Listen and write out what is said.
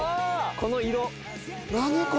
この色。